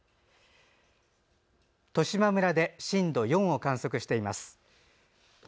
十島村で震度４を観測しています。